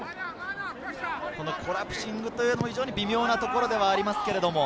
コラプシングというのも微妙なところではあります。